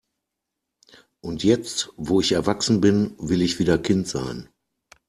Und jetzt, wo ich erwachsen bin, will ich wieder Kind sein.